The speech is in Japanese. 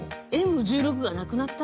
Ｍ１６がなくなった？